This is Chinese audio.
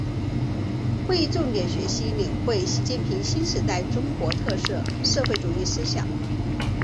会议重点学习领会习近平新时代中国特色社会主义思想